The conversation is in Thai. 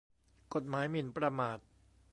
กฎหมายหมิ่นประมาท